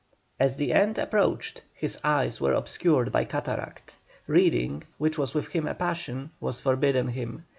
As the end approached, his eyes were obscured by cataract. Reading, which was with him a passion, was forbidden him.